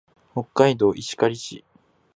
北海道石狩市